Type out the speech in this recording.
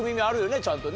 ちゃんとね。